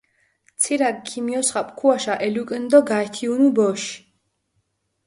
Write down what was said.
ცირაქჷ ქიმიოსხაპუ ქუაშა, ელუკჷნჷ დო გაითიჸუნუ ბოში.